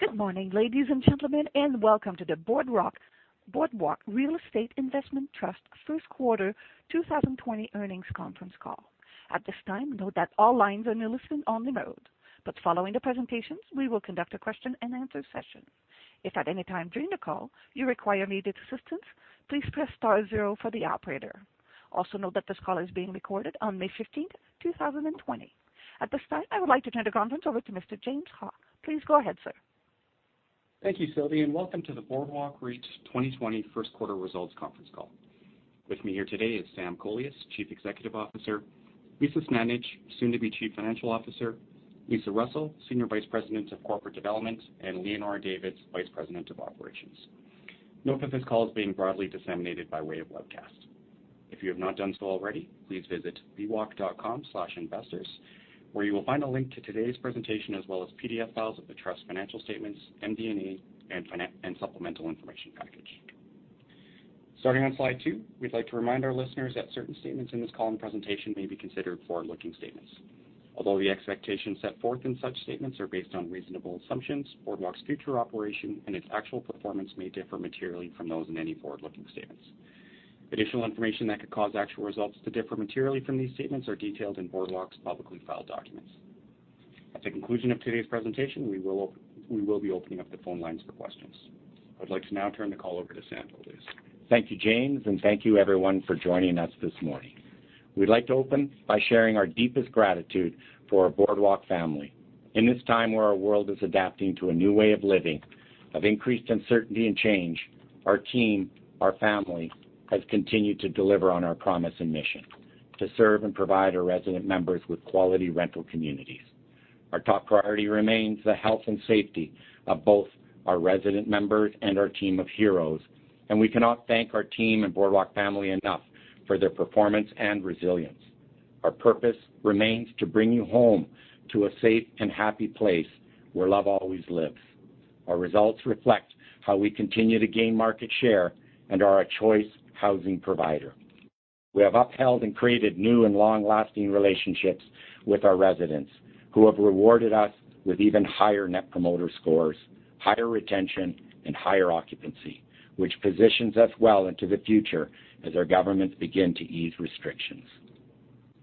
Good morning, ladies and gentlemen. Welcome to the Boardwalk Real Estate Investment Trust first quarter 2020 earnings conference call. At this time, note that all lines are now listen-only mode. Following the presentations, we will conduct a question-and-answer session. If at any time during the call you require immediate assistance, please press star zero for the operator. Note that this call is being recorded on May 15, 2020. At this time, I would like to turn the conference over to Mr. James Ha. Please go ahead, sir. Thank you, Sylvie, and welcome to the Boardwalk REIT's 2020 first quarter results conference call. With me here today is Sam Kolias, Chief Executive Officer, Lisa Smandych, soon to be Chief Financial Officer, Lisa Russell, Senior Vice President of Corporate Development, and Leonora Davids, Vice President of Operations. Note that this call is being broadly disseminated by way of webcast. If you have not done so already, please visit bwalk.com/investors, where you will find a link to today's presentation as well as PDF files of the Trust Financial Statements, MD&A, and supplemental information package. Starting on slide two, we'd like to remind our listeners that certain statements in this call and presentation may be considered forward-looking statements. Although the expectations set forth in such statements are based on reasonable assumptions, Boardwalk's future operation and its actual performance may differ materially from those in any forward-looking statements. Additional information that could cause actual results to differ materially from these statements are detailed in Boardwalk's publicly filed documents. At the conclusion of today's presentation, we will be opening up the phone lines for questions. I would like to now turn the call over to Sam Kolias. Thank you, James, and thank you, everyone, for joining us this morning. We'd like to open by sharing our deepest gratitude for our Boardwalk family. In this time where our world is adapting to a new way of living, of increased uncertainty and change, our team, our family, has continued to deliver on our promise and mission, to serve and provide our resident members with quality rental communities. Our top priority remains the health and safety of both our resident members and our team of heroes, and we cannot thank our team and Boardwalk family enough for their performance and resilience. Our purpose remains to bring you home to a safe and happy place where love always lives. Our results reflect how we continue to gain market share and are a choice housing provider. We have upheld and created new and long-lasting relationships with our residents, who have rewarded us with even higher net promoter scores, higher retention, and higher occupancy, which positions us well into the future as our governments begin to ease restrictions.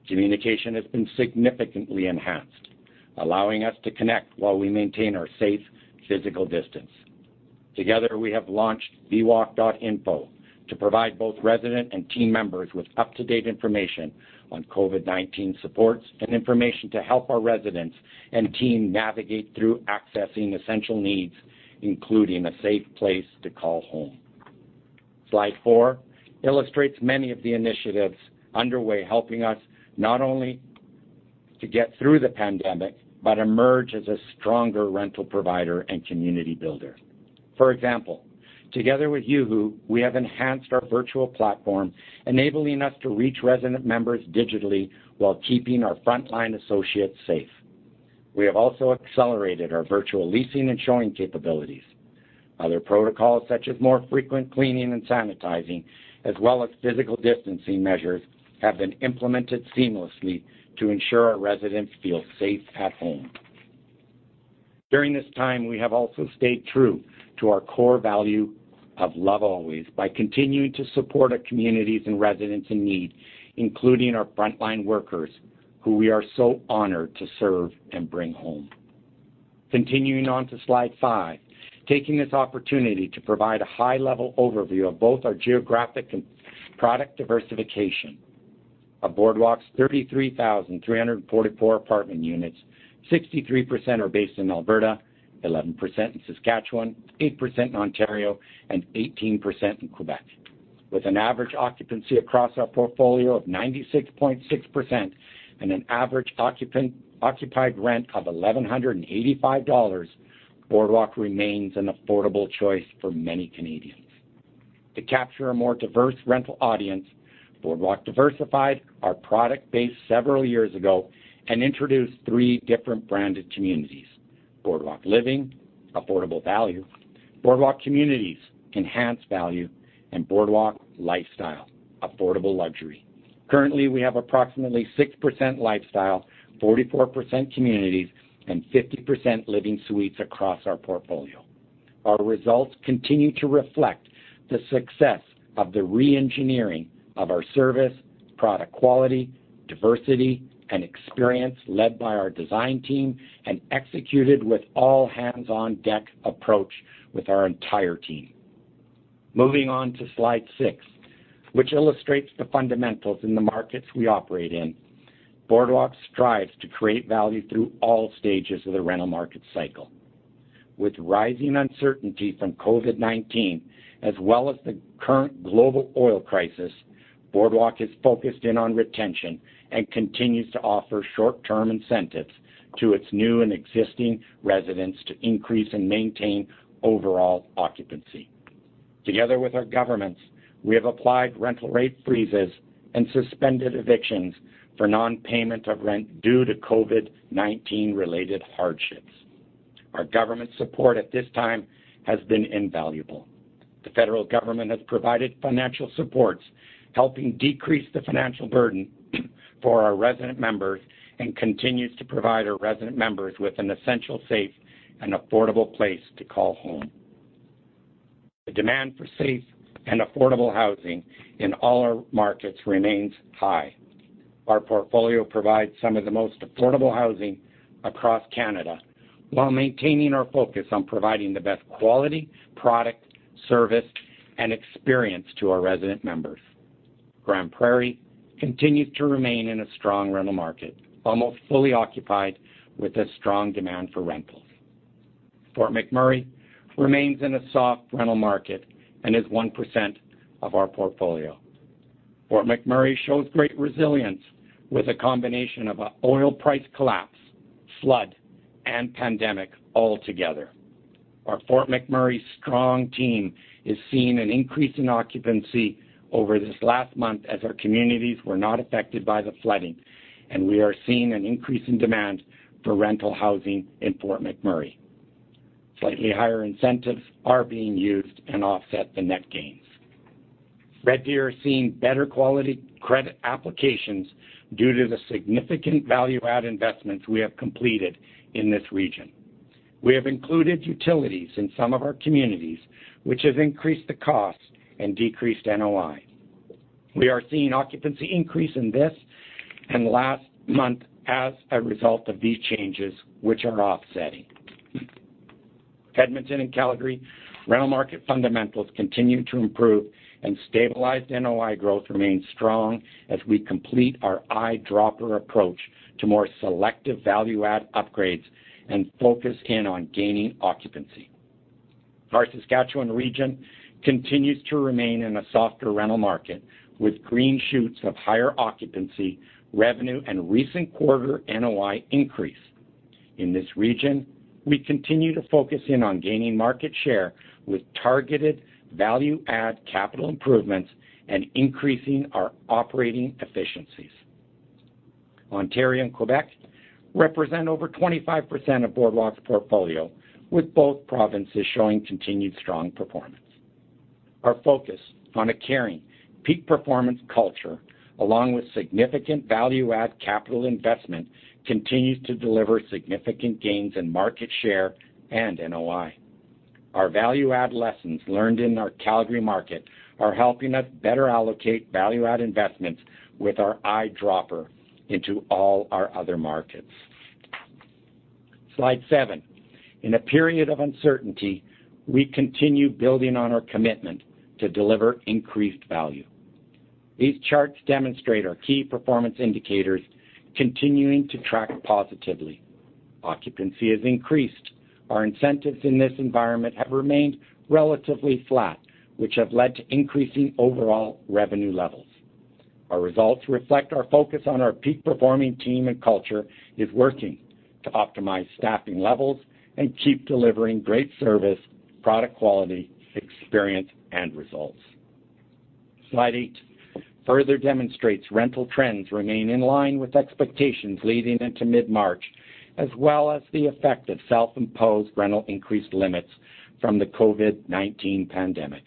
Communication has been significantly enhanced, allowing us to connect while we maintain our safe physical distance. Together, we have launched bwalk.info to provide both resident and team members with up-to-date information on COVID-19 supports and information to help our residents and team navigate through accessing essential needs, including a safe place to call home. Slide four illustrates many of the initiatives underway helping us not only to get through the pandemic but emerge as a stronger rental provider and community builder. For example, together with Yuhu, we have enhanced our virtual platform, enabling us to reach resident members digitally while keeping our frontline associates safe. We have also accelerated our virtual leasing and showing capabilities. Other protocols such as more frequent cleaning and sanitizing, as well as physical distancing measures, have been implemented seamlessly to ensure our residents feel safe at home. During this time, we have also stayed true to our core value of love always by continuing to support our communities and residents in need, including our frontline workers, who we are so honored to serve and bring home. Continuing on to slide five, taking this opportunity to provide a high-level overview of both our geographic and product diversification. Of Boardwalk's 33,344 apartment units, 63% are based in Alberta, 11% in Saskatchewan, 8% in Ontario, and 18% in Quebec. With an average occupancy across our portfolio of 96.6% and an average occupied rent of 1,185 dollars, Boardwalk remains an affordable choice for many Canadians. To capture a more diverse rental audience, Boardwalk diversified our product base several years ago and introduced three different branded communities: Boardwalk Living, affordable value, Boardwalk Communities, enhanced value, and Boardwalk Lifestyle, affordable luxury. Currently, we have approximately 6% Lifestyle, 44% Communities, and 50% Living suites across our portfolio. Our results continue to reflect the success of the re-engineering of our service, product quality, diversity, and experience led by our design team and executed with all-hands-on-deck approach with our entire team. Moving on to slide six, which illustrates the fundamentals in the markets we operate in. Boardwalk strives to create value through all stages of the rental market cycle. With rising uncertainty from COVID-19 as well as the current global oil crisis, Boardwalk is focused in on retention and continues to offer short-term incentives to its new and existing residents to increase and maintain overall occupancy. Together with our governments, we have applied rental rate freezes and suspended evictions for non-payment of rent due to COVID-19-related hardships. Our government support at this time has been invaluable. The federal government has provided financial supports, helping decrease the financial burden for our resident members and continues to provide our resident members with an essential, safe, and affordable place to call home. The demand for safe and affordable housing in all our markets remains high. Our portfolio provides some of the most affordable housing across Canada, while maintaining our focus on providing the best quality, product, service, and experience to our resident members. Grande Prairie continues to remain in a strong rental market, almost fully occupied, with a strong demand for rentals. Fort McMurray remains in a soft rental market and is 1% of our portfolio. Fort McMurray shows great resilience with a combination of an oil price collapse, flood, and pandemic all together. Our Fort McMurray strong team is seeing an increase in occupancy over this last month as our communities were not affected by the flooding, and we are seeing an increase in demand for rental housing in Fort McMurray. Slightly higher incentives are being used and offset the net gains. Red Deer is seeing better quality credit applications due to the significant value-add investments we have completed in this region. We have included utilities in some of our communities, which has increased the cost and decreased NOI. We are seeing occupancy increase in this and last month as a result of these changes, which are offsetting. Edmonton and Calgary rental market fundamentals continue to improve and stabilized NOI growth remains strong as we complete our eyedropper approach to more selective value-add upgrades and focus in on gaining occupancy. Our Saskatchewan region continues to remain in a softer rental market with green shoots of higher occupancy, revenue, and recent quarter NOI increase. In this region, we continue to focus in on gaining market share with targeted value-add capital improvements and increasing our operating efficiencies. Ontario and Quebec represent over 25% of Boardwalk's portfolio, with both provinces showing continued strong performance. Our focus on a caring, peak performance culture, along with significant value-add capital investment, continues to deliver significant gains in market share and NOI. Our value-add lessons learned in our Calgary market are helping us better allocate value-add investments with our eyedropper into all our other markets. Slide seven. In a period of uncertainty, we continue building on our commitment to deliver increased value. These charts demonstrate our key performance indicators continuing to track positively. Occupancy has increased. Our incentives in this environment have remained relatively flat, which have led to increasing overall revenue levels. Our results reflect our focus on our peak-performing team and culture is working to optimize staffing levels and keep delivering great service, product quality, experience, and results. Slide eight further demonstrates rental trends remain in line with expectations leading into mid-March, as well as the effect of self-imposed rental increase limits from the COVID-19 pandemic.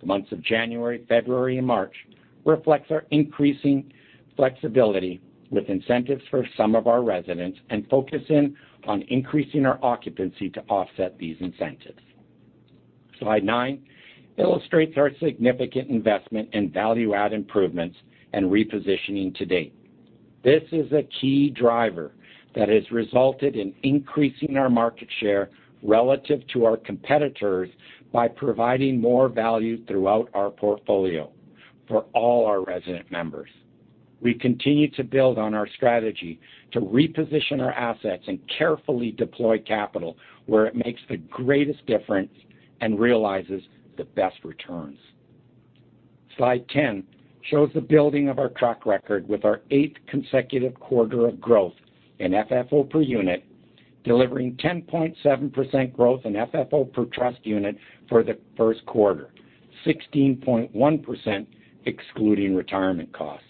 The months of January, February, and March reflects our increasing flexibility with incentives for some of our residents and focus in on increasing our occupancy to offset these incentives. Slide nine illustrates our significant investment in value-add improvements and repositioning to date. This is a key driver that has resulted in increasing our market share relative to our competitors by providing more value throughout our portfolio for all our resident members. We continue to build on our strategy to reposition our assets and carefully deploy capital where it makes the greatest difference and realizes the best returns. Slide 10 shows the building of our track record with our eighth consecutive quarter of growth in FFO per unit, delivering 10.7% growth in FFO per trust unit for the first quarter, 16.1% excluding retirement costs.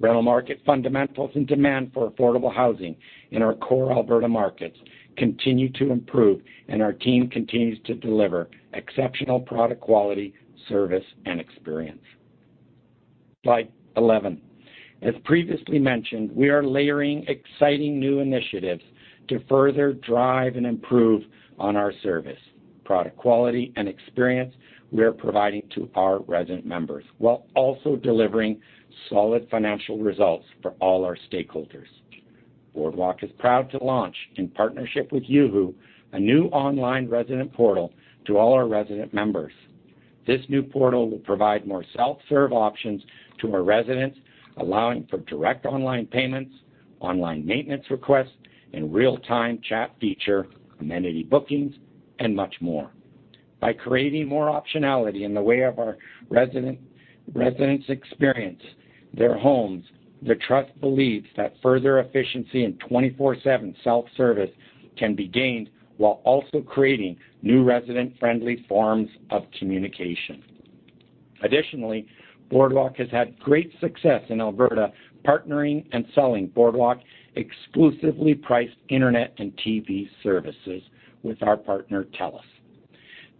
Rental market fundamentals and demand for affordable housing in our core Alberta markets continue to improve. Our team continues to deliver exceptional product quality, service, and experience. Slide 11. As previously mentioned, we are layering exciting new initiatives to further drive and improve on our service, product quality, and experience we are providing to our resident members while also delivering solid financial results for all our stakeholders. Boardwalk is proud to launch, in partnership with Yuhu, a new online resident portal to all our resident members. This new portal will provide more self-serve options to our residents, allowing for direct online payments, online maintenance requests, real-time chat feature, amenity bookings, and much more. By creating more optionality in the way of our residents' experience their homes, the trust believes that further efficiency in 24/7 self-service can be gained while also creating new resident-friendly forms of communication. Additionally, Boardwalk has had great success in Alberta, partnering and selling Boardwalk exclusively priced internet and TV services with our partner, Telus.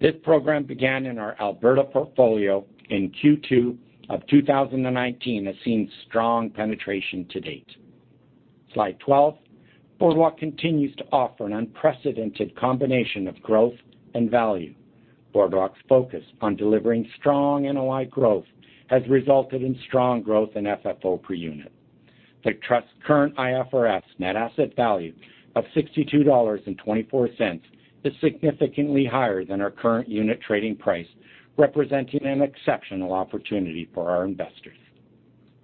This program began in our Alberta portfolio in Q2 of 2019, has seen strong penetration to date. Slide 12. Boardwalk continues to offer an unprecedented combination of growth and value. Boardwalk's focus on delivering strong NOI growth has resulted in strong growth in FFO per unit. The Trust's current IFRS net asset value of 62.24 dollars is significantly higher than our current unit trading price, representing an exceptional opportunity for our investors.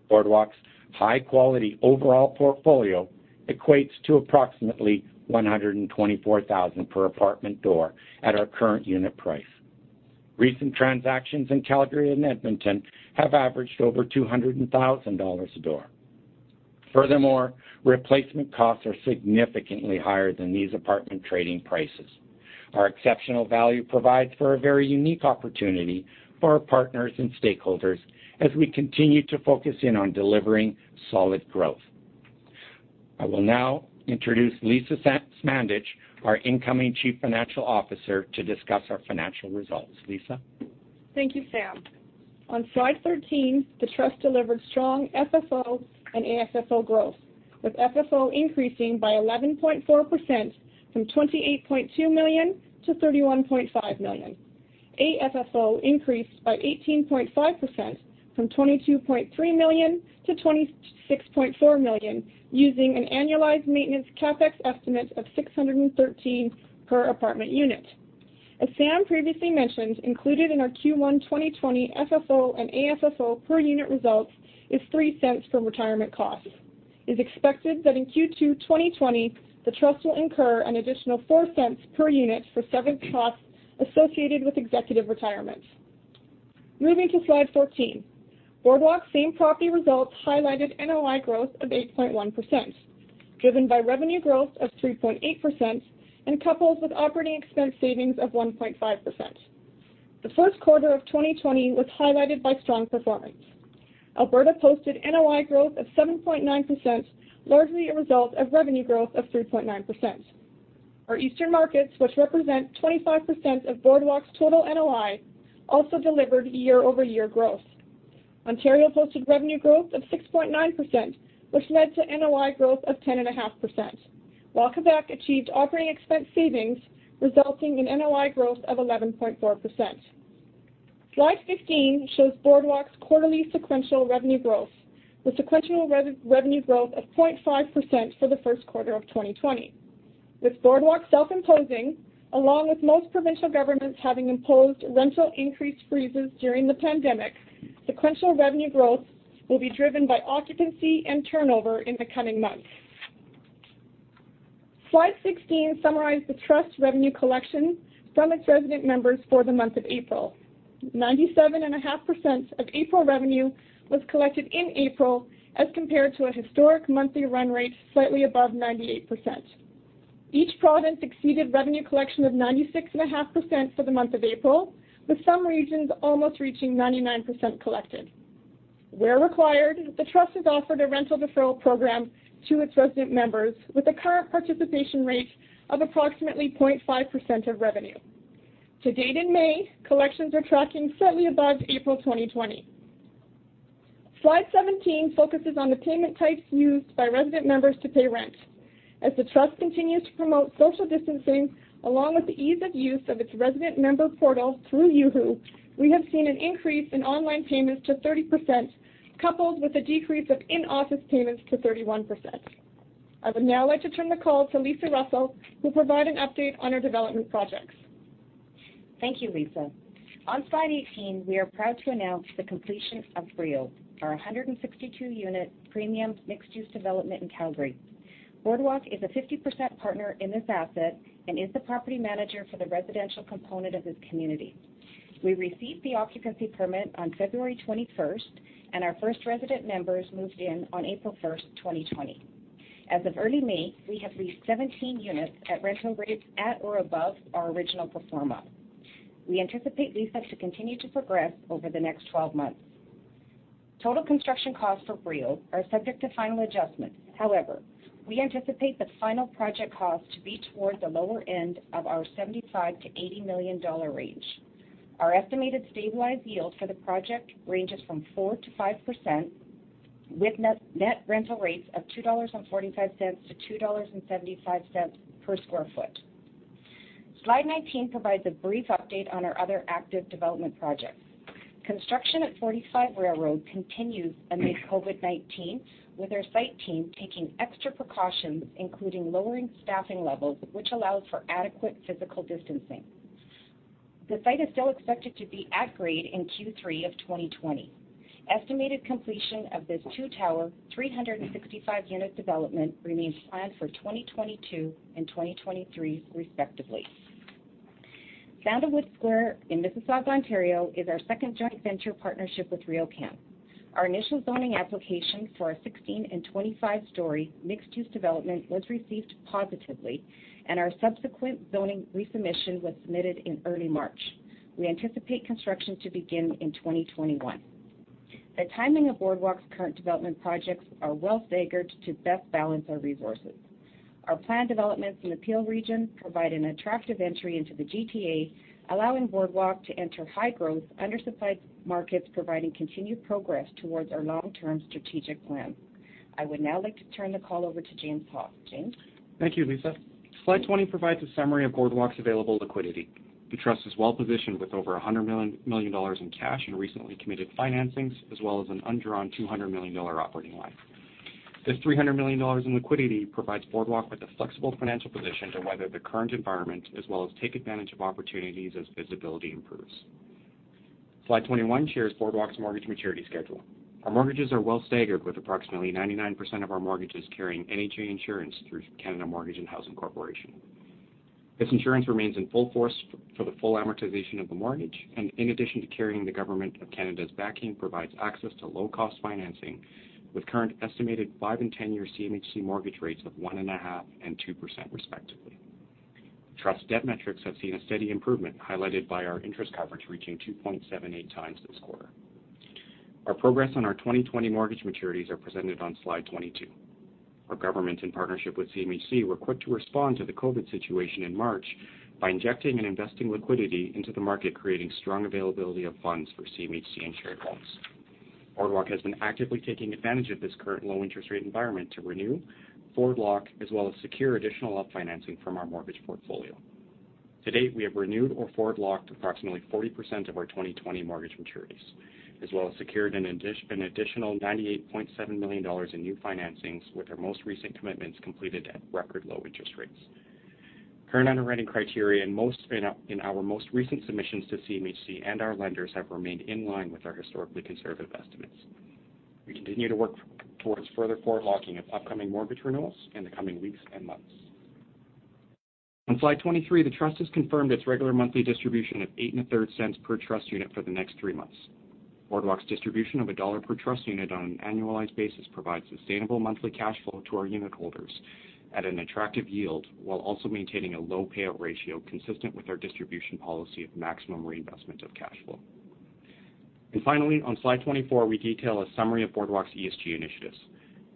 Boardwalk's high-quality overall portfolio equates to approximately 124,000 per apartment door at our current unit price. Recent transactions in Calgary and Edmonton have averaged over 200,000 dollars a door. Replacement costs are significantly higher than these apartment trading prices. Our exceptional value provides for a very unique opportunity for our partners and stakeholders as we continue to focus in on delivering solid growth. I will now introduce Lisa Smandych, our incoming Chief Financial Officer, to discuss our financial results. Lisa? Thank you, Sam. On slide 13, the Trust delivered strong FFO and AFFO growth, with FFO increasing by 11.4% from 28.2 million to 31.5 million. AFFO increased by 18.5%, from 22.3 million to 26.4 million, using an annualized maintenance CapEx estimate of 613 per apartment unit. As Sam previously mentioned, included in our Q1 2020 FFO and AFFO per unit results is 0.03 from retirement costs. It is expected that in Q2 2020, the Trust will incur an additional 0.04 per unit for sveverance costs associated with executive retirement. Moving to slide 14. Boardwalk same-property results highlighted NOI growth of 8.1%, driven by revenue growth of 3.8%, and coupled with operating expense savings of 1.5%. The first quarter of 2020 was highlighted by strong performance. Alberta posted NOI growth of 7.9%, largely a result of revenue growth of 3.9%. Our eastern markets, which represent 25% of Boardwalk's total NOI, also delivered year-over-year growth. Ontario posted revenue growth of 6.9%, which led to NOI growth of 10.5%, while Quebec achieved operating expense savings, resulting in NOI growth of 11.4%. Slide 15 shows Boardwalk's quarterly sequential revenue growth, with sequential revenue growth of 0.5% for the first quarter of 2020. With Boardwalk self-imposing, along with most provincial governments having imposed rental increase freezes during the pandemic, sequential revenue growth will be driven by occupancy and turnover in the coming months. Slide 16 summarizes the Trust's revenue collection from its resident members for the month of April. 97.5% of April revenue was collected in April as compared to a historic monthly run rate slightly above 98%. Each province exceeded revenue collection of 96.5% for the month of April, with some regions almost reaching 99% collected. Where required, the Trust has offered a rental deferral program to its resident members with a current participation rate of approximately 0.5% of revenue. To date in May, collections are tracking slightly above April 2020. Slide 17 focuses on the payment types used by resident members to pay rent. As the Trust continues to promote social distancing, along with the ease of use of its resident member portal through Yuhu, we have seen an increase in online payments to 30%, coupled with a decrease of in-office payments to 31%. I would now like to turn the call to Lisa Russell, who will provide an update on our development projects. Thank you, Lisa. On slide 18, we are proud to announce the completion of Brio, our 162-unit premium mixed-use development in Calgary. Boardwalk is a 50% partner in this asset and is the property manager for the residential component of this community. We received the occupancy permit on February 21st, and our first resident members moved in on April 1st, 2020. As of early May, we have leased 17 units at rental rates at or above our original pro forma. We anticipate lease-up to continue to progress over the next 12 months. Total construction costs for Brio are subject to final adjustments. However, we anticipate the final project cost to be towards the lower end of our 75 million-80 million dollar range. Our estimated stabilized yield for the project ranges from 4%-5%, with net rental rates of 2.45-2.75 dollars per square foot. Slide 19 provides a brief update on our other active development projects. Construction at 45 Railroad continues amid COVID-19, with our site team taking extra precautions, including lowering staffing levels, which allows for adequate physical distancing. The site is still expected to be at grade in Q3 of 2020. Estimated completion of this two-tower, 365-unit development remains planned for 2022 and 2023 respectively. Sandalwood Square in Mississauga, Ontario is our second joint venture partnership with RioCan Our initial zoning application for a 16 and 25 story mixed-use development was received positively, and our subsequent zoning resubmission was submitted in early March. We anticipate construction to begin in 2021. The timing of Boardwalk's current development projects are well-staggered to best balance our resources. Our planned developments in the Peel region provide an attractive entry into the GTA, allowing Boardwalk to enter high growth, undersupplied markets, providing continued progress towards our long-term strategic plan. I would now like to turn the call over to James Ha. James? Thank you, Lisa. Slide 20 provides a summary of Boardwalk's available liquidity. The trust is well-positioned with over 100 million dollars in cash and recently committed financings, as well as an undrawn 200 million dollar operating line. This 300 million dollars in liquidity provides Boardwalk with a flexible financial position to weather the current environment, as well as take advantage of opportunities as visibility improves. Slide 21 shares Boardwalk's mortgage maturity schedule. Our mortgages are well staggered, with approximately 99% of our mortgages carrying NHA insurance through Canada Mortgage and Housing Corporation. This insurance remains in full force for the full amortization of the mortgage, and in addition to carrying the government of Canada's backing, provides access to low-cost financing, with current estimated five and 10-year CMHC mortgage rates of 1.5% and 2%, respectively. Trust debt metrics have seen a steady improvement, highlighted by our interest coverage reaching 2.78 times this quarter. Our progress on our 2020 mortgage maturities are presented on Slide 22. Our government, in partnership with CMHC, were quick to respond to the COVID situation in March by injecting and investing liquidity into the market, creating strong availability of funds for CMHC insured loans. Boardwalk has been actively taking advantage of this current low interest rate environment to renew, forward lock, as well as secure additional up financing from our mortgage portfolio. To date, we have renewed or forward locked approximately 40% of our 2020 mortgage maturities, as well as secured an additional 98.7 million dollars in new financings, with our most recent commitments completed at record low interest rates. Current underwriting criteria in our most recent submissions to CMHC and our lenders have remained in line with our historically conservative estimates. We continue to work towards further forward locking of upcoming mortgage renewals in the coming weeks and months. On Slide 23, the trust has confirmed its regular monthly distribution of 8.33 per trust unit for the next three months. Boardwalk's distribution of CAD 1 per trust unit on an annualized basis provides sustainable monthly cash flow to our unit holders at an attractive yield, while also maintaining a low payout ratio consistent with our distribution policy of maximum reinvestment of cash flow. Finally, on Slide 24, we detail a summary of Boardwalk's ESG initiatives.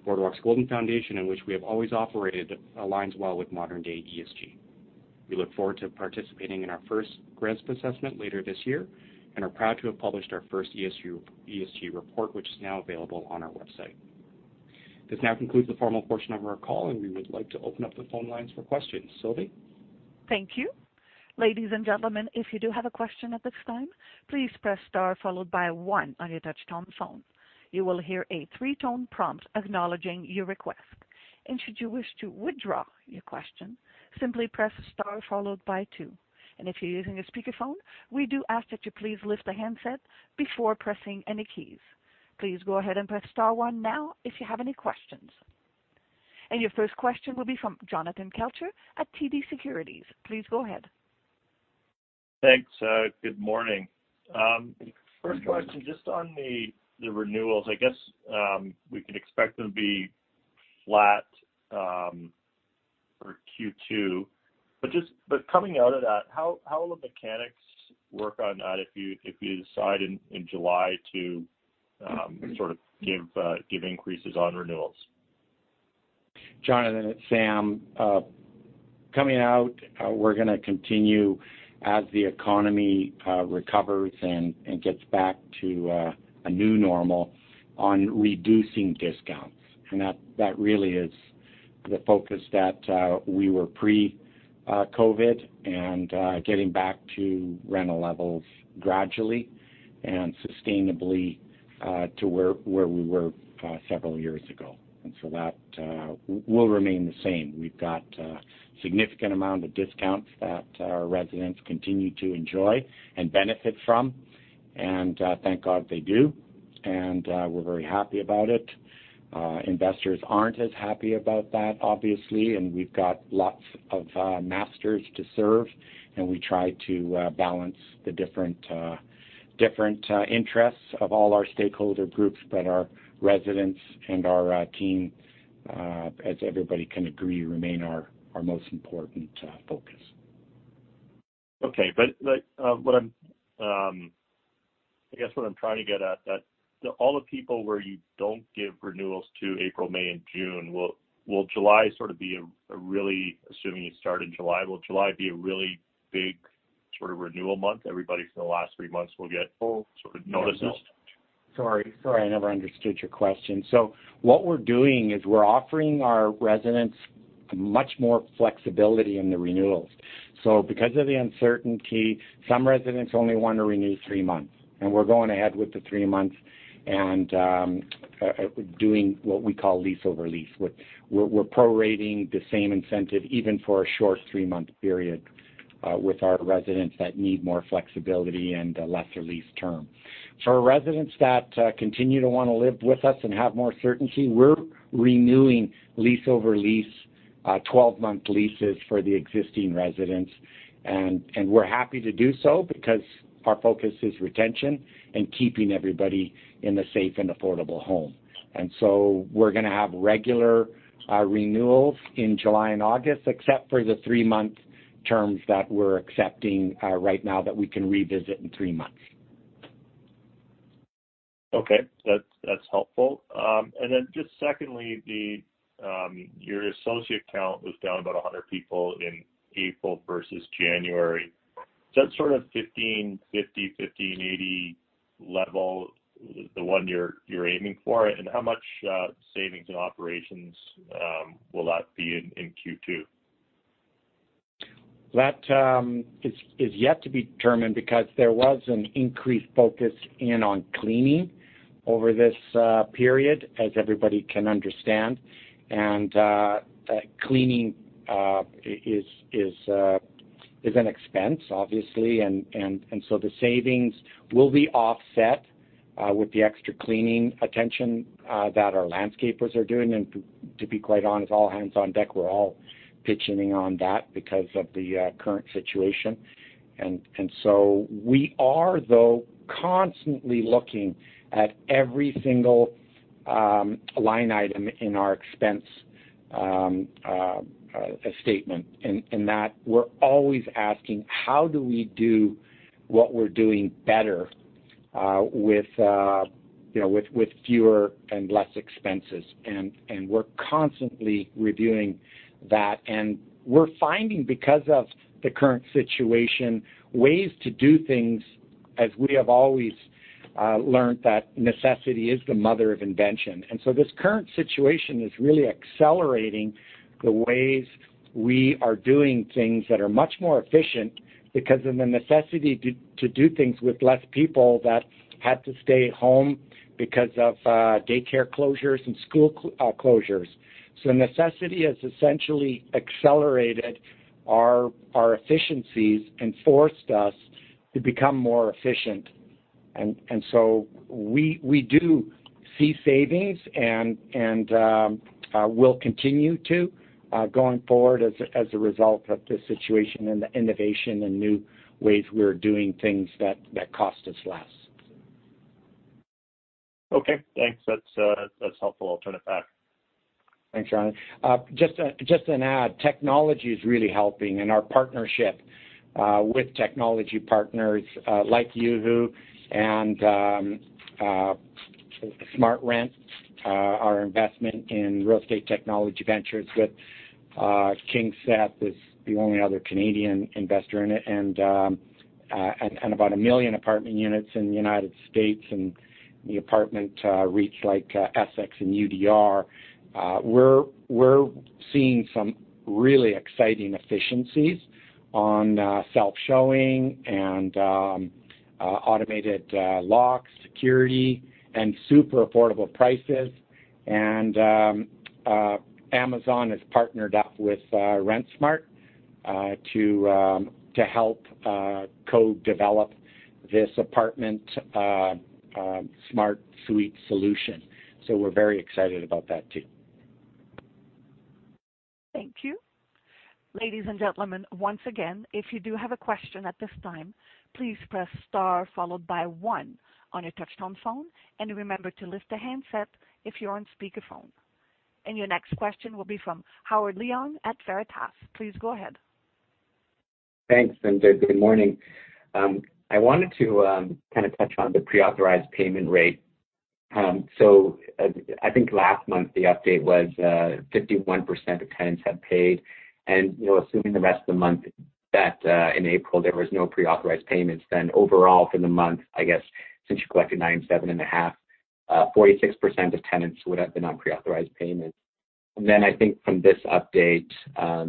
Boardwalk's golden foundation in which we have always operated aligns well with modern-day ESG. We look forward to participating in our first GRESB assessment later this year, and are proud to have published our first ESG report, which is now available on our website. This now concludes the formal portion of our call, and we would like to open up the phone lines for questions. Sylvie? Thank you. Ladies and gentlemen, if you do have a question at this time, please press star followed by one on your touch-tone phone. You will hear a three-tone prompt acknowledging your request. Should you wish to withdraw your question, simply press star followed by two. If you're using a speakerphone, we do ask that you please lift the handset before pressing any keys. Please go ahead and press star one now if you have any questions. Your first question will be from Jonathan Kelcher at TD Securities. Please go ahead. Thanks. Good morning. Good morning. First question, just on the renewals, I guess, we can expect them to be flat for Q2. Coming out of that, how will the mechanics work on that if you decide in July to give increases on renewals? Jonathan, it's Sam. Coming out, we're going to continue as the economy recovers and gets back to a new normal on reducing discounts. That really is the focus that we were pre-COVID, and getting back to rental levels gradually and sustainably, to where we were several years ago. So that will remain the same. We've got a significant amount of discounts that our residents continue to enjoy and benefit from, and thank God they do. We're very happy about it. Investors aren't as happy about that, obviously, and we've got lots of masters to serve, and we try to balance the different interests of all our stakeholder groups. Our residents and our team, as everybody can agree, remain our most important focus. Okay. I guess what I'm trying to get at, all the people where you don't give renewals to April, May, and June, assuming you start in July, will July be a really big renewal month? Everybody for the last three months will get notices? No. Sorry. I never understood your question. What we're doing is we're offering our residents much more flexibility in the renewals. Because of the uncertainty, some residents only want to renew three months, and we're going ahead with the three months and doing what we call lease over lease, where we're prorating the same incentive, even for a short three-month period, with our residents that need more flexibility and a lesser lease term. For residents that continue to want to live with us and have more certainty, we're renewing lease over lease 12-month leases for the existing residents. We're happy to do so because our focus is retention and keeping everybody in a safe and affordable home. We're going to have regular renewals in July and August, except for the three-month terms that we're accepting right now that we can revisit in three months. Okay. That's helpful. Just secondly, your associate count was down about 100 people in April versus January. Is that sort of 1550, 1580 level the one you're aiming for? How much savings in operations will that be in Q2? That is yet to be determined because there was an increased focus in on cleaning over this period, as everybody can understand. Cleaning is an expense, obviously. The savings will be offset with the extra cleaning attention that our landscapers are doing. To be quite honest, all hands on deck, we're all pitching in on that because of the current situation. We are, though, constantly looking at every single line item in our expense statement, in that we're always asking how do we do what we're doing better with fewer and less expenses. We're constantly reviewing that. We're finding, because of the current situation, ways to do things, as we have always learned, that necessity is the mother of invention. This current situation is really accelerating the ways we are doing things that are much more efficient because of the necessity to do things with less people that had to stay home because of daycare closures and school closures. Necessity has essentially accelerated our efficiencies and forced us to become more efficient. We do see savings, and will continue to, going forward, as a result of this situation and the innovation and new ways we're doing things that cost us less. Okay, thanks. That's helpful. I'll turn it back. Thanks, John. Just to add, technology is really helping, and our partnership with technology partners like Yuhu and SmartRent, our investment in real estate technology ventures with KingSett is the only other Canadian investor in it, and about a million apartment units in the United States, and the apartment REITs like Essex and UDR. We're seeing some really exciting efficiencies on self-showing and automated locks, security, and super affordable prices. Amazon has partnered up with SmartRent to help co-develop this apartment smart suite solution. We're very excited about that, too. Thank you. Ladies and gentlemen, once again, if you do have a question at this time, please press star followed by one on your touch-tone phone, and remember to lift the handset if you're on speakerphone. Your next question will be from Howard Leung at Veritas. Please go ahead. Thanks. Good morning. I wanted to touch on the pre-authorized payment rate. I think last month the update was 51% of tenants have paid. Assuming the rest of the month that in April there was no pre-authorized payments, overall for the month, I guess since you collected 97.5%, 46% of tenants would have been on pre-authorized payment. I think from this update,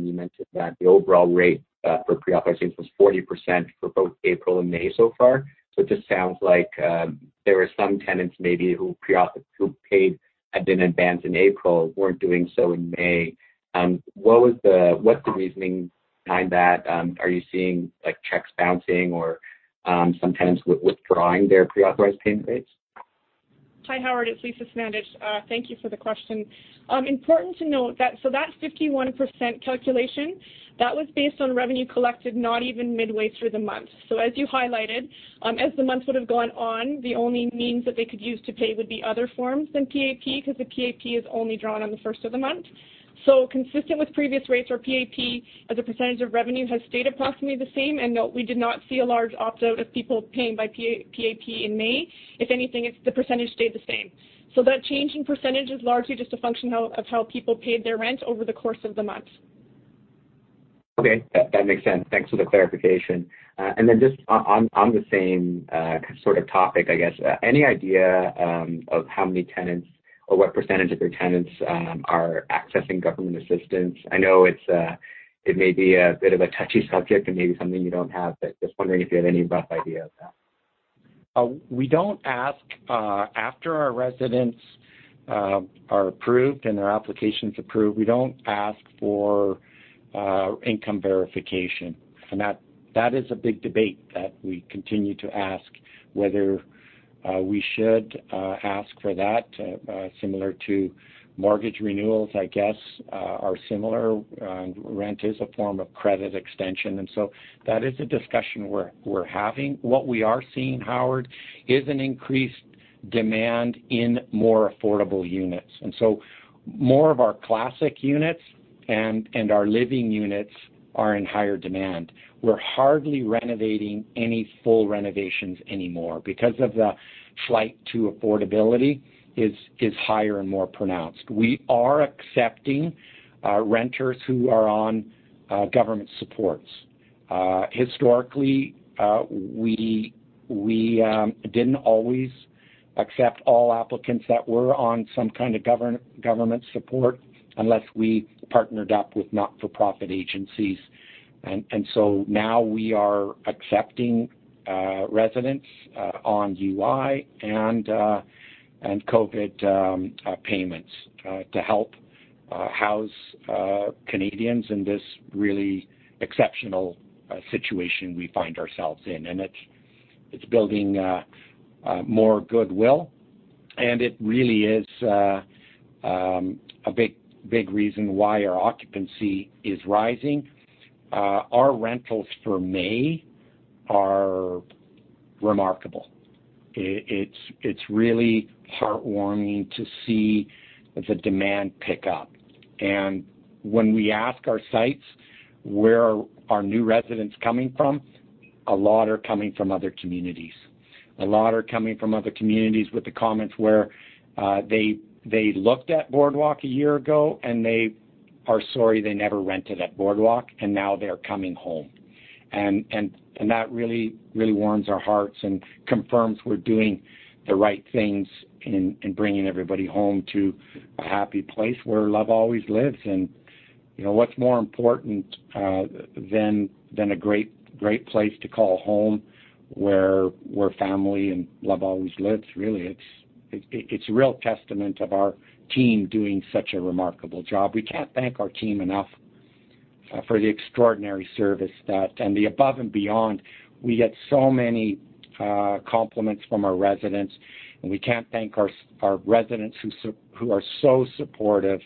you mentioned that the overall rate for pre-authorization was 40% for both April and May so far. It just sounds like there were some tenants maybe who paid ahead in advance in April, weren't doing so in May. What's the reasoning behind that? Are you seeing checks bouncing or some tenants withdrawing their pre-authorized payment dates? Hi, Howard, it's Lisa Smandych. Thank you for the question. Important to note, that 51% calculation, that was based on revenue collected not even midway through the month. As you highlighted, as the month would have gone on, the only means that they could use to pay would be other forms than PAP, because the PAP is only drawn on the first of the month. Consistent with previous rates for PAP as a percentage of revenue has stayed approximately the same, and no, we did not see a large opt-out of people paying by PAP in May. If anything, the percentage stayed the same. That change in percentage is largely just a function of how people paid their rent over the course of the month. Okay. That makes sense. Thanks for the clarification. Then just on the same sort of topic, I guess. Any idea of how many tenants or what percentage of your tenants are accessing government assistance? I know it may be a bit of a touchy subject and maybe something you don't have, but just wondering if you have any rough idea of that. We don't ask, after our residents are approved and their application's approved, we don't ask for income verification. That is a big debate that we continue to ask whether we should ask for that, similar to mortgage renewals, I guess, are similar. Rent is a form of credit extension, and so that is a discussion we're having. What we are seeing, Howard, is an increased demand in more affordable units. More of our classic units and our Boardwalk Living units are in higher demand. We're hardly renovating any full renovations anymore because of the flight to affordability is higher and more pronounced. We are accepting renters who are on government supports. Historically, we didn't always accept all applicants that were on some kind of government support unless we partnered up with not-for-profit agencies. Now we are accepting residents on UI and COVID payments, to help house Canadians in this really exceptional situation we find ourselves in. It's building more goodwill, and it really is a big reason why our occupancy is rising. Our rentals for May are remarkable. It's really heartwarming to see the demand pick up. When we ask our sites, where are new residents coming from, a lot are coming from other communities. A lot are coming from other communities with the comments where they looked at Boardwalk a year ago, and they are sorry they never rented at Boardwalk, and now they're coming home. That really warms our hearts and confirms we're doing the right things in bringing everybody home to a happy place where love always lives. What's more important than a great place to call home, where family and love always lives, really? It's a real testament of our team doing such a remarkable job. We can't thank our team enough for the extraordinary service that, and the above and beyond. We get so many compliments from our residents, and we can't thank our residents who are so supportive,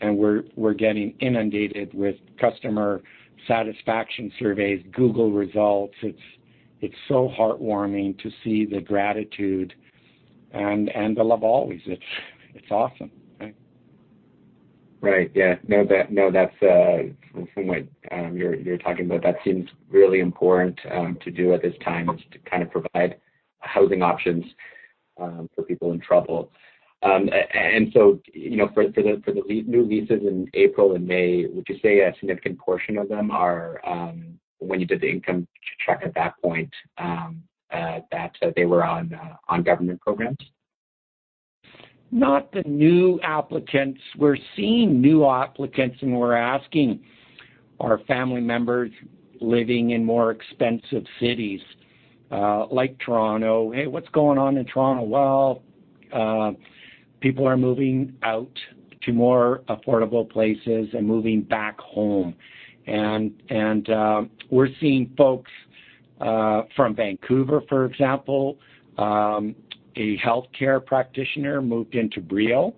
and we're getting inundated with customer satisfaction surveys, Google results. It's so heartwarming to see the gratitude and the love always. It's awesome. Right. Yeah. No, from what you're talking about, that seems really important to do at this time, is to kind of provide housing options for people in trouble. For the new leases in April and May, would you say a significant portion of them are, when you did the income check at that point, that they were on government programs? Not the new applicants. We're seeing new applicants, and we're asking our family members living in more expensive cities, like Toronto, "Hey, what's going on in Toronto?" Well, people are moving out to more affordable places and moving back home. We're seeing folks from Vancouver, for example. A healthcare practitioner moved into Brio,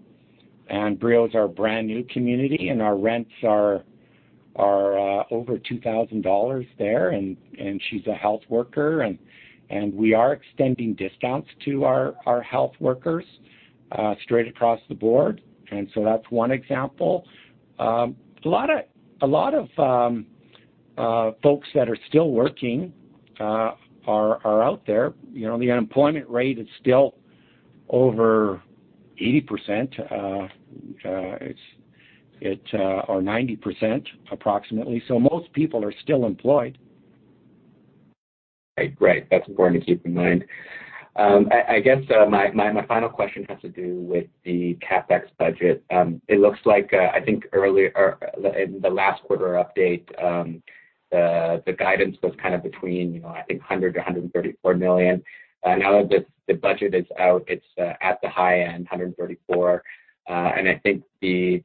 and Brio's our brand-new community, and our rents are over 2,000 dollars there, and she's a health worker, and we are extending discounts to our health workers straight across the board. That's one example. A lot of folks that are still working are out there. The unemployment rate is still over 80%, or 90%, approximately. Most people are still employed. Right. That's important to keep in mind. I guess my final question has to do with the CapEx budget. It looks like, I think in the last quarter update, the guidance was kind of between, I think, 100 million-134 million. Now that the budget is out, it's at the high end, 134 million. I think a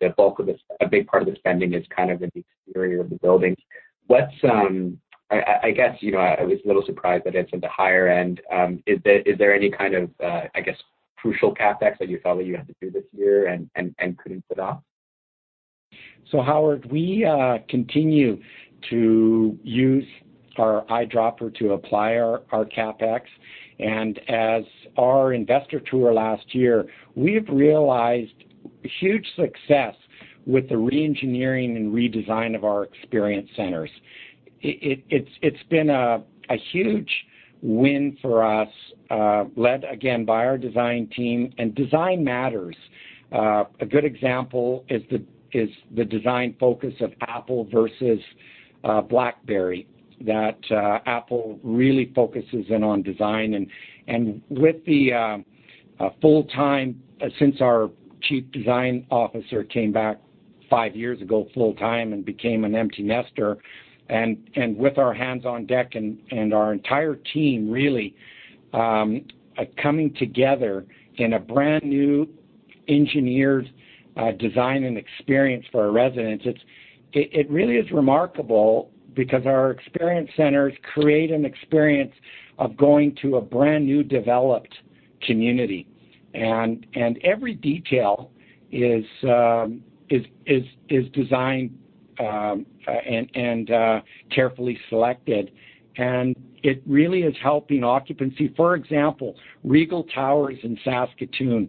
big part of the spending is kind of in the exterior of the buildings. I guess, I was a little surprised that it's in the higher end. Is there any kind of crucial CapEx that you felt like you had to do this year and couldn't put off? Howard, we continue to use our eyedropper to apply our CapEx, and as our investor tour last year, we have realized huge success with the re-engineering and redesign of our experience centers. It's been a huge win for us, led again, by our design team, design matters. A good example is the design focus of Apple versus BlackBerry, that Apple really focuses in on design. With the full-time, since our chief design officer came back five years ago full-time and became an empty nester. With our hands on deck and our entire team really coming together in a brand-new engineered design and experience for our residents, it really is remarkable because our experience centers create an experience of going to a brand-new developed community. Every detail is designed and carefully selected, it really is helping occupancy. For example, Regal Tower in Saskatoon.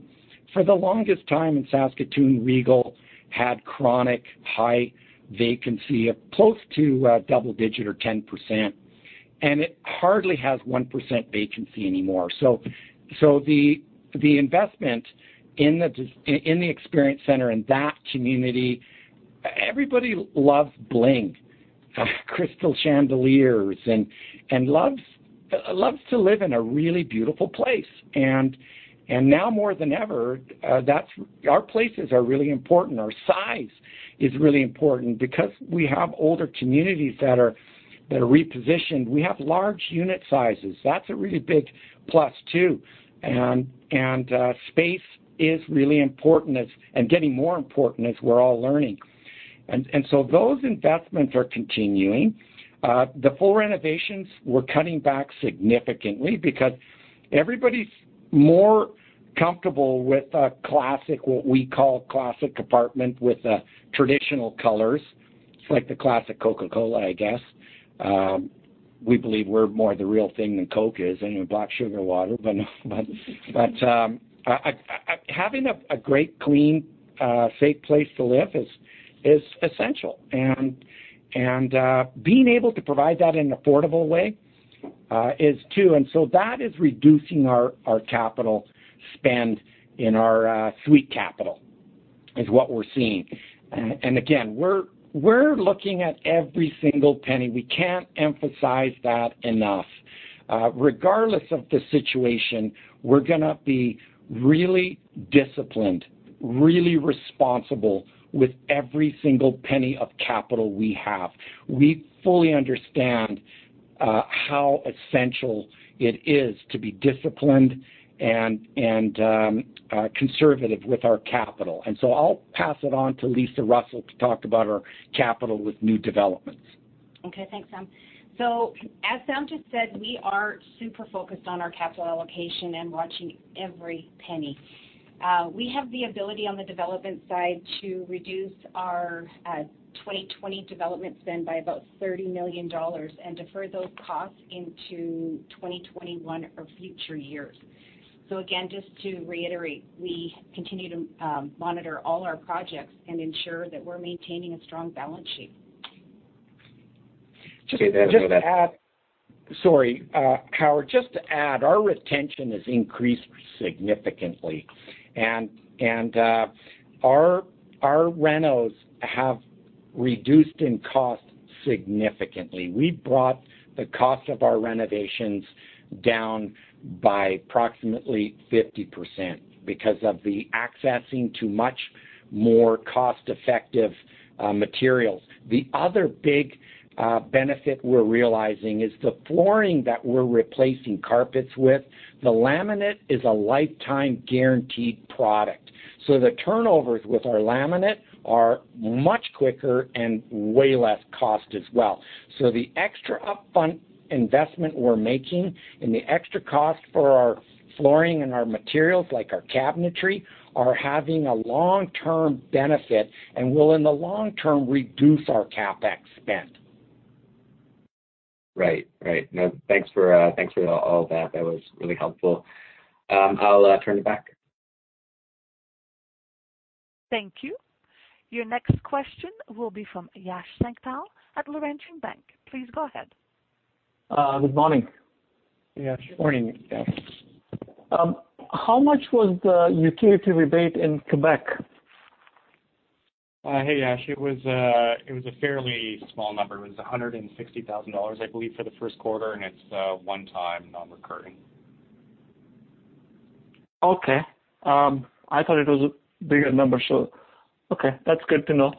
For the longest time in Saskatoon, Regal had chronic high vacancy of close to double digit or 10%. It hardly has 1% vacancy anymore. The investment in the experience center in that community, everybody loves bling, crystal chandeliers, and loves to live in a really beautiful place. Now more than ever, our places are really important. Our size is really important because we have older communities that are repositioned. We have large unit sizes. That's a really big plus, too. Space is really important and getting more important as we're all learning. Those investments are continuing. The full renovations, we're cutting back significantly because everybody's more comfortable with a classic, what we call classic apartment with traditional colors. It's like the classic Coca-Cola, I guess. We believe we're more the real thing than Coke is, anyway, black sugar water, but having a great, clean, safe place to live is essential. Being able to provide that in an affordable way is, too. That is reducing our capital spend in our suite capital, is what we're seeing. Again, we're looking at every single penny. We can't emphasize that enough. Regardless of the situation, we're going to be really disciplined, really responsible with every single penny of capital we have. We fully understand how essential it is to be disciplined and conservative with our capital. I'll pass it on to Lisa Russell to talk about our capital with new developments. Okay. Thanks, Sam. As Sam just said, we are super focused on our capital allocation and watching every penny. We have the ability on the development side to reduce our 2020 development spend by about 30 million dollars and defer those costs into 2021 or future years. Again, just to reiterate, we continue to monitor all our projects and ensure that we're maintaining a strong balance sheet. Just to add- Okay. Sorry, Howard. Just to add, our retention has increased significantly, and our renos have reduced in cost significantly. We brought the cost of our renovations down by approximately 50% because of the accessing to much more cost-effective materials. The other big benefit we're realizing is the flooring that we're replacing carpets with. The laminate is a lifetime guaranteed product. The turnovers with our laminate are much quicker and way less cost as well. The extra upfront investment we're making and the extra cost for our flooring and our materials, like our cabinetry, are having a long-term benefit and will, in the long term, reduce our CapEx spend. Right. Thanks for all that. That was really helpful. I'll turn it back. Thank you. Your next question will be from Yash Sankpal at Laurentian Bank. Please go ahead. Good morning. Yash. Morning, Yash. How much was the utility rebate in Quebec? Hey, Yash. It was a fairly small number. It was 160,000 dollars, I believe, for the first quarter. It's one-time, non-recurring. Okay. I thought it was a bigger number so, okay. That's good to know.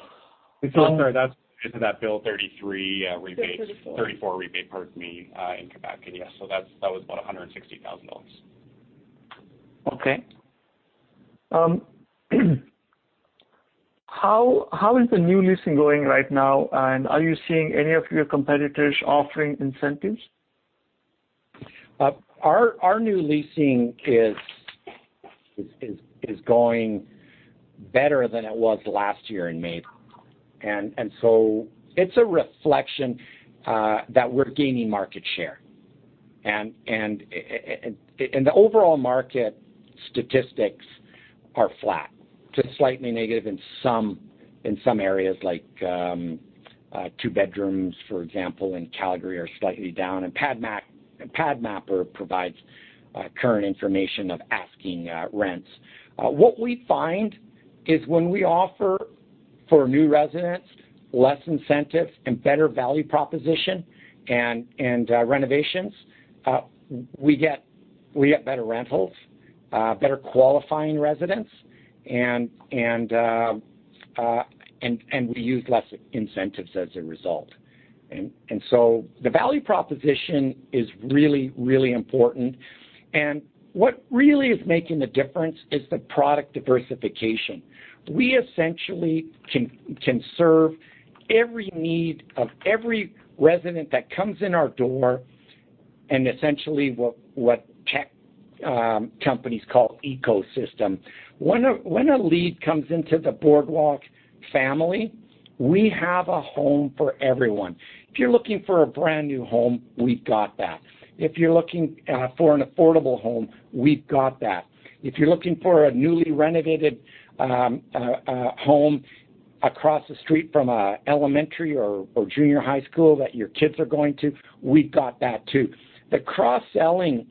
Sorry, that Bill 33. Bill 34. 34 rebate, pardon me, in Quebec. That was about 160,000 dollars. Okay. How is the new leasing going right now, and are you seeing any of your competitors offering incentives? Our new leasing is going better than it was last year in May. It's a reflection that we're gaining market share. The overall market statistics are flat to slightly negative in some areas, like 2 bedrooms, for example, in Calgary are slightly down. PadMapper provides current information of asking rents. What we find is when we offer for new residents less incentives and better value proposition and renovations, we get better rentals, better qualifying residents, and we use less incentives as a result. The value proposition is really, really important. What really is making the difference is the product diversification. We essentially can serve every need of every resident that comes in our door, and essentially, what tech companies call ecosystem. When a lead comes into the Boardwalk family, we have a home for everyone. If you're looking for a brand-new home, we've got that. If you're looking for an affordable home, we've got that. If you're looking for a newly renovated home across the street from a elementary or junior high school that your kids are going to, we've got that too. The cross-selling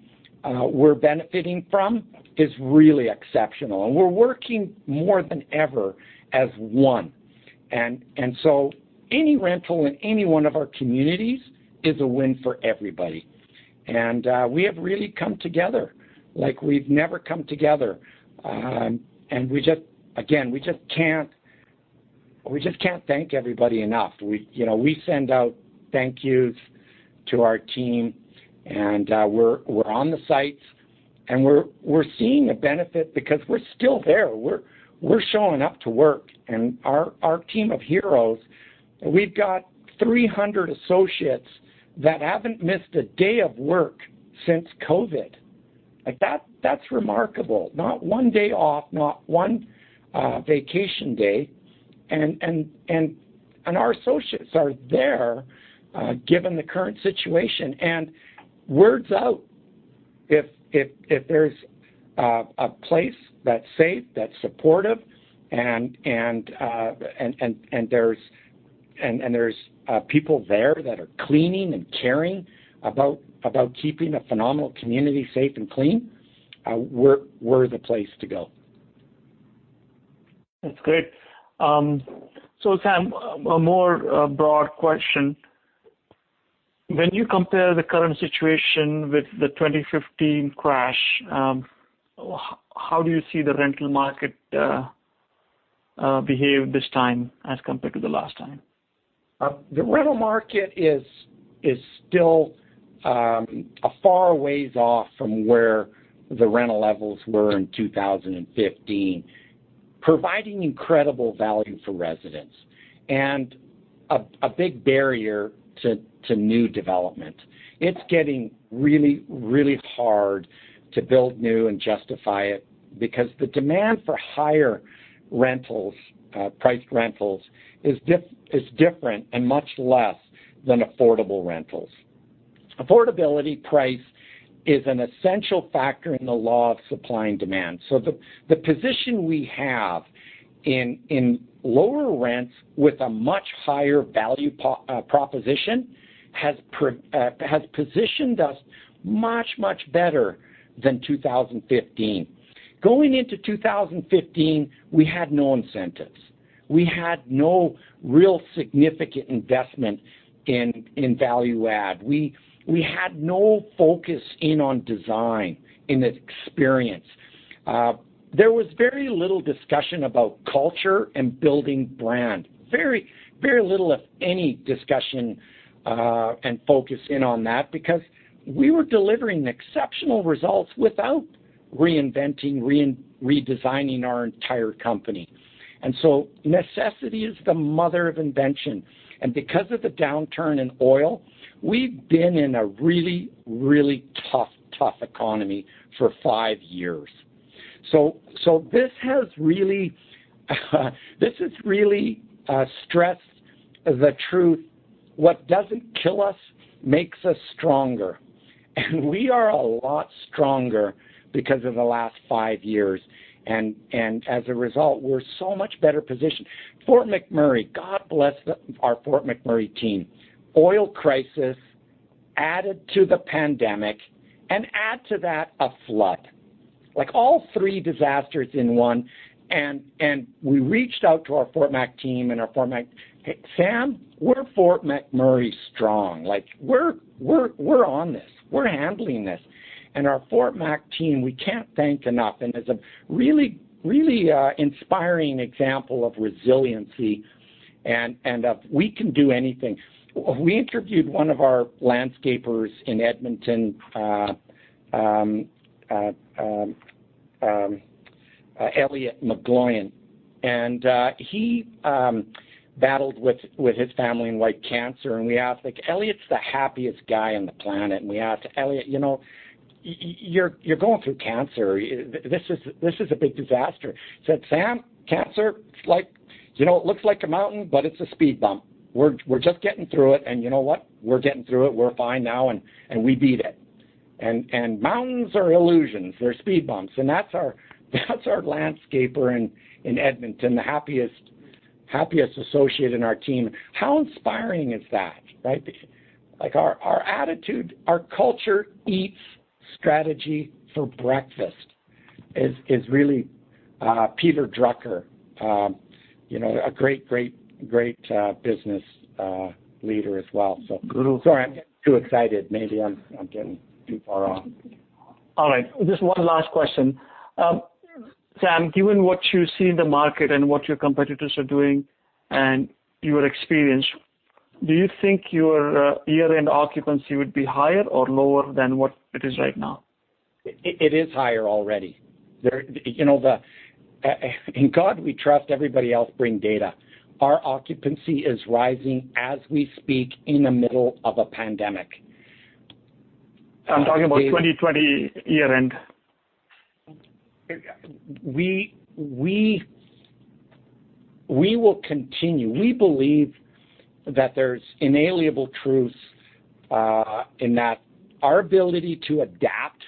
we're benefiting from is really exceptional, and we're working more than ever as one. Any rental in any one of our communities is a win for everybody. We have really come together like we've never come together. Again, we just can't thank everybody enough. We send out thank yous to our team, and we're on the sites, and we're seeing the benefit because we're still there. We're showing up to work. Our team of heroes, we've got 300 associates that haven't missed a day of work since COVID. That's remarkable. Not one day off, not one vacation day. Our associates are there given the current situation. Word's out. If there's a place that's safe, that's supportive, and there's people there that are cleaning and caring about keeping a phenomenal community safe and clean, we're the place to go. That's great. Sam, a more broad question. When you compare the current situation with the 2015 crash, how do you see the rental market behave this time as compared to the last time? The rental market is still a far ways off from where the rental levels were in 2015, providing incredible value for residents and a big barrier to new development. It is getting really, really hard to build new and justify it because the demand for higher priced rentals is different and much less than affordable rentals. Affordability price is an essential factor in the law of supply and demand. The position we have in lower rents with a much higher value proposition has positioned us much, much better than 2015. Going into 2015, we had no incentives. We had no real significant investment in value add. We had no focus in on design, in experience. There was very little discussion about culture and building brand. Very little of any discussion and focus in on that because we were delivering exceptional results without reinventing, redesigning our entire company. Necessity is the mother of invention, because of the downturn in oil, we've been in a really, really tough economy for five years. This has really stressed the truth, what doesn't kill us makes us stronger. We are a lot stronger because of the last five years. As a result, we're so much better positioned. Fort McMurray, God bless our Fort McMurray team. Oil crisis, added to the pandemic, and add to that a flood. All three disasters in one. We reached out to our Fort Mac team, and our Fort Mac, "Hey, Sam, we're Fort McMurray strong. We're on this. We're handling this." Our Fort Mac team, we can't thank enough, and is a really inspiring example of resiliency and of we can do anything. We interviewed one of our landscapers in Edmonton, Elliot McGloin. He battled with his family in cancer. Elliot's the happiest guy on the planet. We asked Elliot, "You're going through cancer. This is a big disaster." He said, "Sam, cancer, it looks like a mountain, but it's a speed bump. We're just getting through it, you know what? We're getting through it. We're fine now. We beat it." Mountains are illusions. They're speed bumps. That's our landscaper in Edmonton, the happiest associate in our team. How inspiring is that, right? Our attitude, our culture eats strategy for breakfast, is really Peter Drucker. A great business leader as well. Sorry, I'm getting too excited. Maybe I'm getting too far off. All right. Just one last question. Sam, given what you see in the market and what your competitors are doing, and your experience, do you think your year-end occupancy would be higher or lower than what it is right now? It is higher already. In God we trust, everybody else bring data. Our occupancy is rising as we speak in the middle of a pandemic. I'm talking about 2020 year end. We will continue. We believe that there's inalienable truth, in that our ability to adapt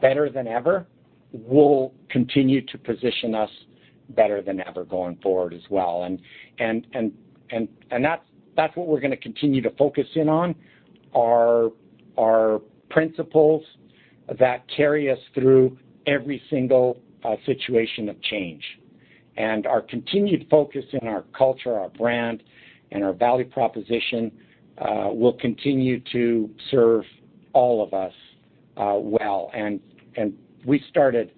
better than ever will continue to position us better than ever going forward as well. That's what we're going to continue to focus in on, are principles that carry us through every single situation of change. Our continued focus in our culture, our brand, and our value proposition, will continue to serve all of us well. We started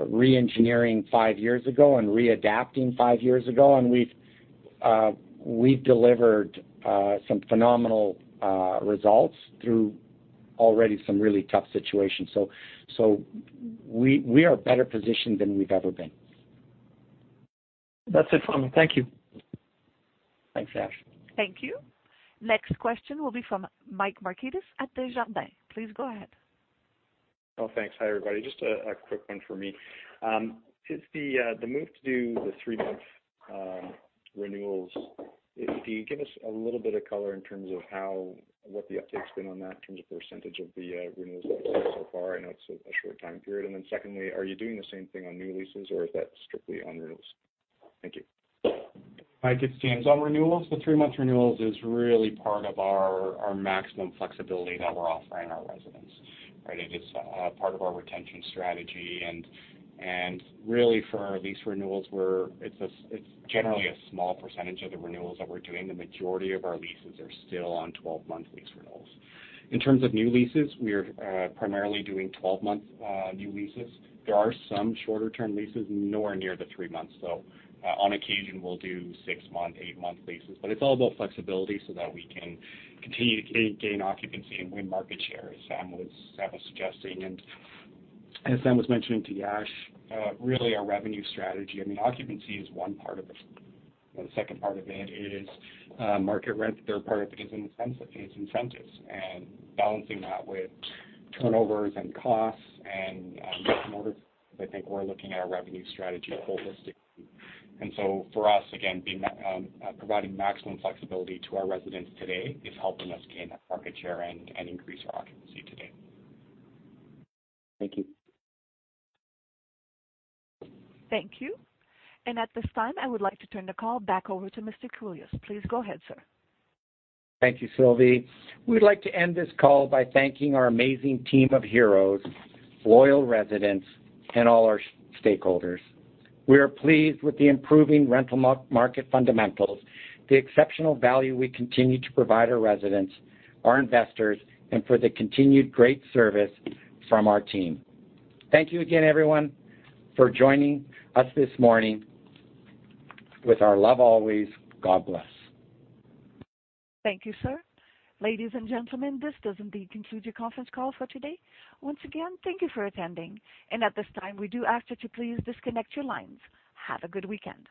re-engineering five years ago and readapting five years ago, and we've delivered some phenomenal results through already some really tough situations. We are better positioned than we've ever been. That's it from me. Thank you. Thanks, Yash. Thank you. Next question will be from Michael Markidis at Desjardins. Please go ahead. Oh, thanks. Hi, everybody. Just a quick one from me. Is the move to do the three-month renewals, can you give us a little bit of color in terms of what the uptake's been on that in terms of % of the renewals that you've seen so far? I know it's a short time period. Secondly, are you doing the same thing on new leases, or is that strictly on renewals? Thank you. Mike, it's James. On renewals, the three-month renewals is really part of our maximum flexibility that we're offering our residents. It is a part of our retention strategy. Really for our lease renewals, it's generally a small percentage of the renewals that we're doing. The majority of our leases are still on 12-month lease renewals. In terms of new leases, we are primarily doing 12-month new leases. There are some shorter-term leases, nowhere near the three months, though. On occasion, we'll do six-month, eight-month leases. It's all about flexibility so that we can continue to gain occupancy and win market share, as Sam was suggesting. As Sam was mentioning to Yash, really our revenue strategy, I mean, occupancy is one part of it. The second part of it is market rent. Third part is incentives. Balancing that with turnovers and costs and I think we're looking at our revenue strategy holistically. For us, again, providing maximum flexibility to our residents today is helping us gain that market share and increase our occupancy today. Thank you. Thank you. At this time, I would like to turn the call back over to Mr. Kolias. Please go ahead, sir. Thank you, Sylvie. We'd like to end this call by thanking our amazing team of heroes, loyal residents, and all our stakeholders. We are pleased with the improving rental market fundamentals, the exceptional value we continue to provide our residents, our investors, and for the continued great service from our team. Thank you again, everyone, for joining us this morning. With our love always, God bless. Thank you, sir. Ladies and gentlemen, this does indeed conclude your conference call for today. Once again, thank you for attending. At this time, we do ask that you please disconnect your lines. Have a good weekend.